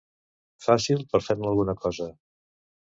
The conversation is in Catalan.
Fàcil per fer-ne alguna cosa.